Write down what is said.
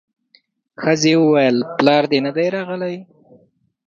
ښځې وويل پلار دې نه دی راغلی.